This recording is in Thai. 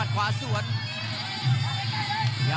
กรรมการเตือนทั้งคู่ครับ๖๖กิโลกรัม